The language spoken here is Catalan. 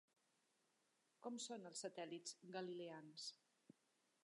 Com són els satèl·lits galileans?